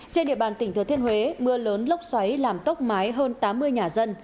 trên địa bàn tỉnh thừa thiên huế mưa lớn lốc xoáy làm tốc mái hơn tám mươi nhà dân